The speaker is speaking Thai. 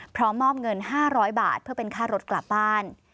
พร้อมมอบเงิน๕๐๐บาทเพื่อเป็นค่ารถกลับบ้าน